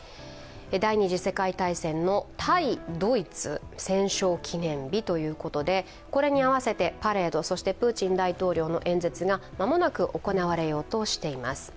第二次世界大戦の対ドイツ戦勝記念日ということでこれに合わせてパレード、そしてプーチン大統領の演説が間もなく行われようとしています。